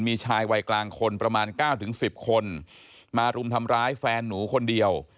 มีชายวัยกลางคนประมาณ๙๑๐คนมารุมทำร้ายแฟนหนูคนเดียว